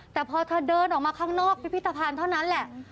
แต่พอเธอเดินออกมาข้างนอกพิพิธภัณฑ์เท่านั้นแหละ